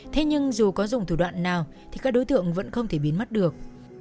thế nhưng dù có dùng thủ đoạn nào thì các đối tượng vẫn không thể biến mất được